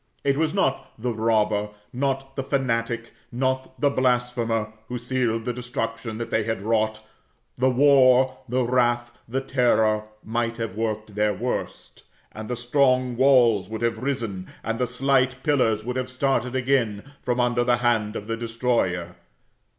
It was not the robber, not the fanatic, not the blasphemer, who sealed the destruction that they had wrought; the war, the wrath, the terror, might have worked their worst, and the strong walls would have risen, and the slight pillars would have started again, from under the hand of the destroyer.